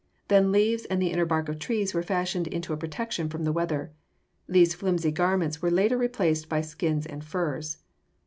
Then leaves and the inner bark of trees were fashioned into a protection from the weather. These flimsy garments were later replaced by skins and furs.